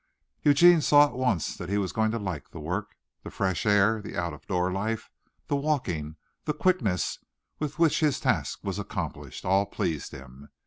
Eugene saw at once that he was going to like the work. The fresh air, the out door life, the walking, the quickness with which his task was accomplished, all pleased him.